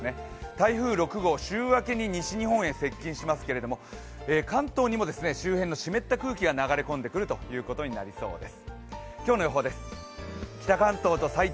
台風６号、週明けに西日本へ接近しますけども、関東にも周辺の湿った空気が流れ込んでくるということになります。